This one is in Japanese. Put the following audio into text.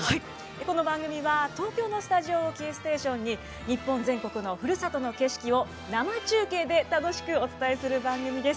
この番組は東京のスタジオをキーステーションに日本全国のふるさとの景色を生中継で楽しくお伝えする番組です。